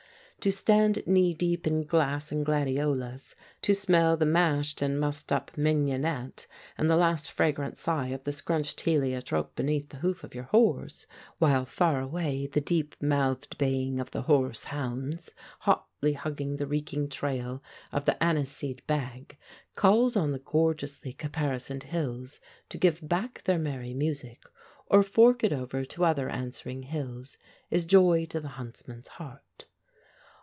To stand knee deep in glass and gladiolas, to smell the mashed and mussed up mignonette and the last fragrant sigh of the scrunched heliotrope beneath the hoof of your horse, while far away the deep mouthed baying of the hoarse hounds, hotly hugging the reeking trail of the aniseseed bag, calls on the gorgeously caparisoned hills to give back their merry music or fork it over to other answering hills, is joy to the huntsman's heart.